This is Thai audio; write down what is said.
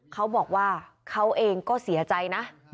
เขาบอกว่าเขาเองก็เสียใจนะ